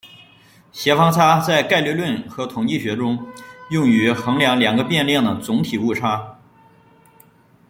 协方差在概率论和统计学中用于衡量两个变量的总体误差。